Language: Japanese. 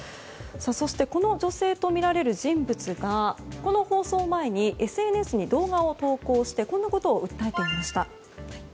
そして、この女性とみられる人物がこの放送前にＳＮＳに動画を投稿してこんなことを訴えていました。